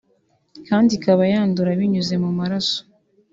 kandi ikaba yandura binyuze mu maraso